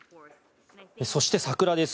そして桜です。